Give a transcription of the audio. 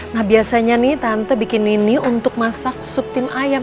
nah biasanya nih tante bikin ini untuk masak sup tim ayam